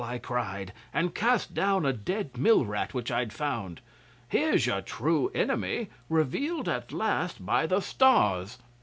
I cried, and cast down a dead mill rat which I'd found. "Here's your true enemy, revealed at last by the stars."